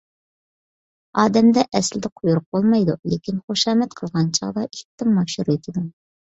ئادەمدە ئەسلىدە قۇيرۇق بولمايدۇ، لېكىن خۇشامەت قىلغان چاغدا ئىتتىنمۇ ئاشۇرۇۋېتىدۇ.